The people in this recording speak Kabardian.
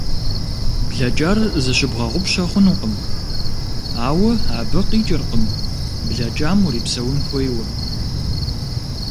Блэкӏар зыщыбгъэгъупщэ хъунукъым, ауэ абы къикӏыркъым блэкӏам урипсэун хуейуэ.